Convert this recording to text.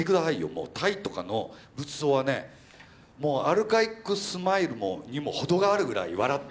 もうタイとかの仏像はねもうアルカイックスマイルにも程があるぐらい笑ってんのよ。